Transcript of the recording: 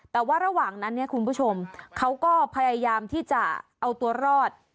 แต่ว่าระหว่างนั้นเนี่ยคุณผู้ชมเขาก็พยายามที่จะเอาตัวรอด